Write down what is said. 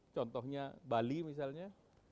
contohnya bali misalnya